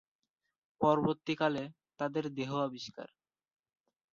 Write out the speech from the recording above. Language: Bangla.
পরবর্তীকালে তাদের দেহ আবিষ্কার।